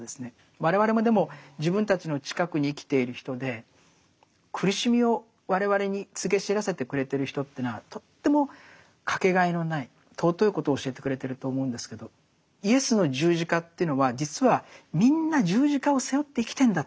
我々もでも自分たちの近くに生きている人で苦しみを我々に告げ知らせてくれてる人というのはとっても掛けがえのない尊いことを教えてくれてると思うんですけどイエスの十字架というのは実はそれぞれが。